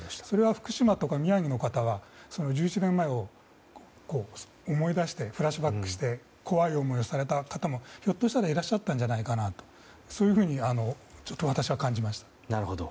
それは福島や宮城の方は１１年前を思い出してフラッシュバックして怖い思いをされた方もひょっとしたらいらっしゃったんじゃないかなというふうに私は感じました。